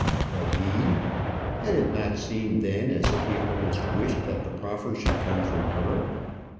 But he ! Had it not seemed then as if he almost wished that the proffer should come from her?